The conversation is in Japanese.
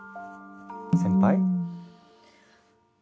先輩？